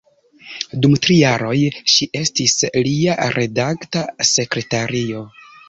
Dum tri jaroj ŝi estis lia redakta sekretario.